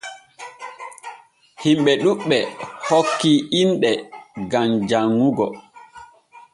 Himɓe ɗuɓɓe hokki inɗe gam janŋugo.